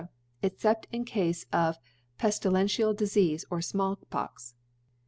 except in cafe of * peftilential Difcafcs or Small Pox *.